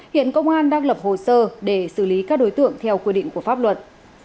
hiện công an đang lập hồ sơ để xử lý các đối tượng theo quy định của pháp luật